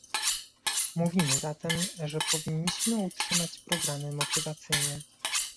Mówimy zatem, że powinniśmy utrzymać programy motywacyjne